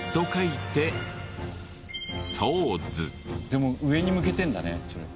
でも上に向けてるんだねそれ。